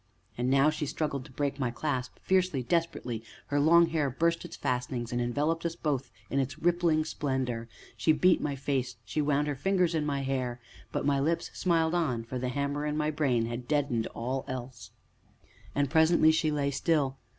And now she struggled to break my clasp, fiercely, desperately; her long hair burst its fastenings, and enveloped us both in its rippling splendor; she beat my face, she wound her fingers in my hair, but my lips smiled on, for the hammer in my brain had deadened all else. And presently she lay still.